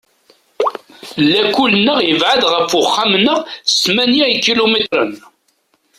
Lakul-nneɣ yebɛed ɣef uxxam-nneɣ s tmanya ikilumitren.